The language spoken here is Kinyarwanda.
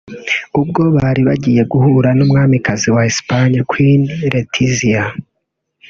ubwo bari bagiye guhura n’umwamikazi wa Espagne "Queen Letizia"